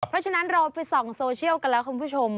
เพราะฉะนั้นเราไปส่องโซเชียลกันแล้วคุณผู้ชม